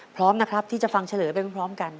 พร้อมนะครับที่จะฟังเฉลยไปพร้อมกัน